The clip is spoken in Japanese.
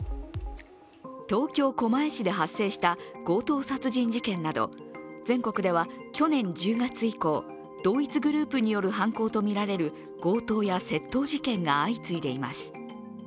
東京・狛江市で発生した強盗殺人事件など、全国では去年１０月以降、同一グループによる犯行とみられる強盗や窃盗事件が相次いでいます。